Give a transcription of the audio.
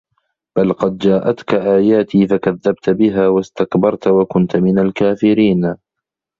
بَلى قَد جاءَتكَ آياتي فَكَذَّبتَ بِها وَاستَكبَرتَ وَكُنتَ مِنَ الكافِرينَ